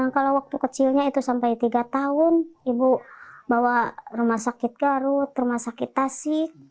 kalau waktu kecilnya itu sampai tiga tahun ibu bawa rumah sakit garut rumah sakit tasik